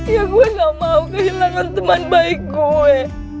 ya gue gak mau kehilangan teman baik gue